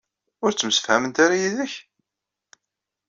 Ur ttemsefhament ara yid-k?